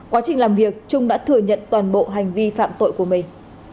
quá trình làm việc trung đã thừa nhận toàn bộ hành vi phạm tội của mình